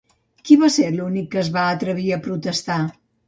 Qui va ser l'únic que es va atrevir a protestar?